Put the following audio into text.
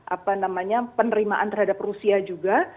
apa namanya penerimaan terhadap rusia juga